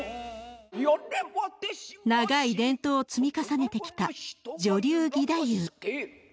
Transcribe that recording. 長い伝統を積み重ねてきた女流義太夫。